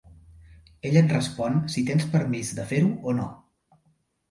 Ell et respon si tens permís de fer-ho o no.